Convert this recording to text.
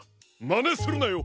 まねするなよ！